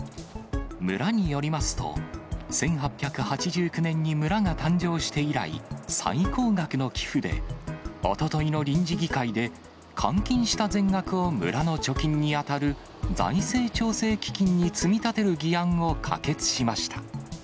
村によりますと、１８８９年に村が誕生して以来、最高額の寄付で、おとといの臨時議会で、換金した全額を村の貯金に当たる財政調整基金に積み立てる議案を可決しました。